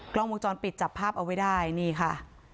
กล้องวงจรปิดจับภาพเอาไว้ได้นี่ค่ะ